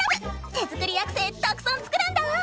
手作りアクセたくさん作るんだぁ！